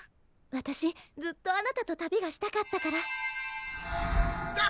私ずっとあなたと旅がしたかったから。